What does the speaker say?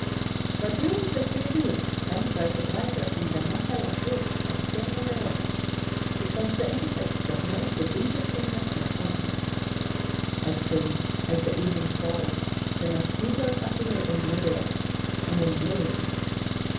But during the three weeks spent by the writer in the Mahéla creeks of Sierra Leone, it was the insects that made the deepest impression upon him; as soon as the evening falls the mosquitoes appear in myriads and in millions.